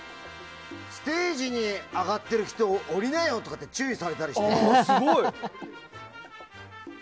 ステージに上がってる人降りなよとか注意されてる。